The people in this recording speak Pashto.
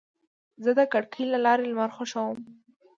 زه د کړکۍ له لارې لمر خوښوم.